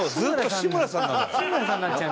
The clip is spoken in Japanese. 志村さんになっちゃう。